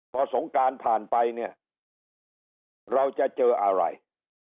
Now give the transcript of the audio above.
พอสงการผ่านไปเนี่ยเราจะเจออะไร